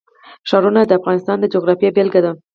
ښارونه د افغانستان د جغرافیې بېلګه ده.